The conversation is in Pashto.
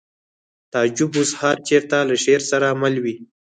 تعجب اوس هر چېرته له شعر سره مل وي